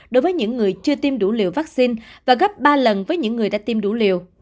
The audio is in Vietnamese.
đối với những người chưa tiêm đủ liều vaccine và gấp ba lần với những người đã tiêm đủ liều